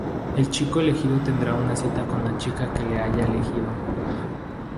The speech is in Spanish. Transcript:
El chico elegido tendrá una cita con la chica que le haya elegido.